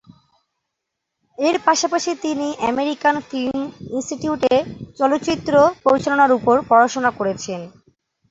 এর পাশাপাশি তিনি আমেরিকান ফিল্ম ইনস্টিটিউট এ চলচ্চিত্র পরিচালনার উপর পড়াশোনা করেছেন।